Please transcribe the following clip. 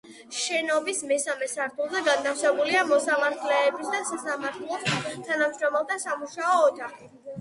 შენობის მესამე სართულზე განთავსებულია მოსამართლეების და სასამართლოს თანამშრომელთა სამუშაო ოთახები.